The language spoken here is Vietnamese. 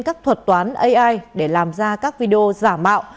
các thuật toán ai để làm ra các video giả mạo